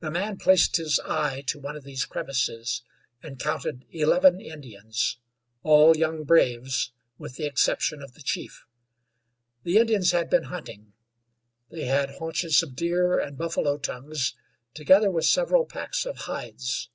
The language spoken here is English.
The man placed his eye to one of these crevices, and counted eleven Indians, all young braves, with the exception of the chief. The Indians had been hunting; they had haunches of deer and buffalo tongues, together with several packs of hides.